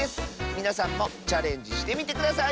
みなさんもチャレンジしてみてください！